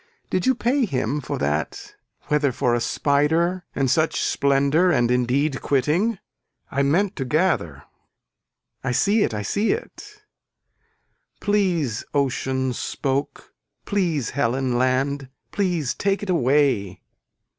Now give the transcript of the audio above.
Did you pay him for that whether for a spider and such splendor and indeed quitting. I meant to gather. I see it I see it. Please ocean spoke please Helen land please take it away.